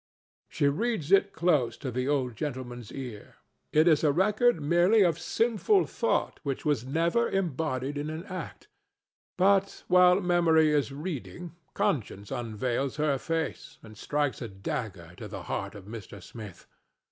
She reads it close to the old gentleman's ear: it is a record merely of sinful thought which never was embodied in an act, but, while Memory is reading, Conscience unveils her face and strikes a dagger to the heart of Mr. Smith.